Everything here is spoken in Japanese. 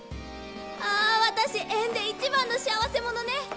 ああ私園で一番の幸せ者ね。